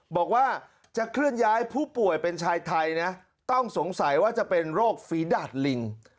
บอกว่าจะเคลื่อนย้ายผู้ป่วยเป็นชายไทยนะต้องสงสัยว่าจะเป็นโรคฝีดาดลิง